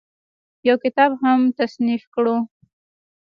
يو کتاب هم تصنيف کړو